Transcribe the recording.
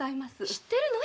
知ってるの？